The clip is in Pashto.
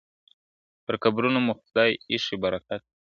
پر قبرونو مو خدای ایښی برکت دی `